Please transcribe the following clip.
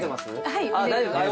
はい。